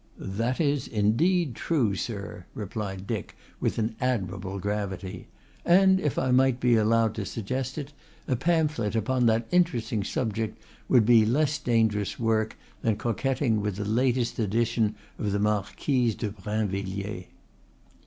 "That is indeed true, sir," replied Dick with an admirable gravity, "and if I might be allowed to suggest it, a pamphlet upon that interesting subject would be less dangerous work than coquetting with the latest edition of the Marquise de Brinvilliers."